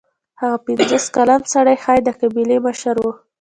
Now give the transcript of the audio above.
هغه پنځوس کلن سړی ښايي د قبیلې مشر و.